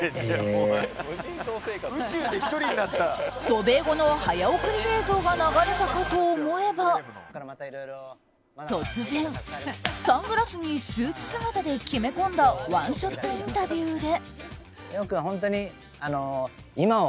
渡米後の早送り映像が流れたかと思えば突然、サングラスにスーツ姿で決め込んだワンショットインタビューで。